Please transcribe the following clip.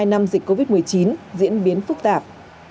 năm dịch covid một mươi chín diễn biến phức tạp